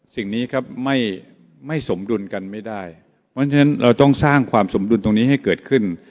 สิ่งนี้ครับไม่สมดุลกันไม่ได้เพราะฉะนั้นเราต้องสร้างความสมดุลตรงนี้ให้เกิดขึ้น